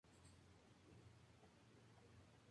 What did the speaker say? Sin embargo, se desconocen las fechas de estos nombramientos.